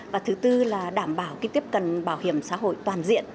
và thứ tư là đảm bảo tiếp cận bảo hiểm xã hội toàn diện